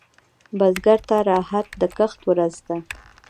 بزګر ته راحت د کښت ورځ ده